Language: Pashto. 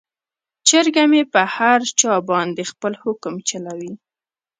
چرګه مې په هر چا باندې خپل حکم چلوي.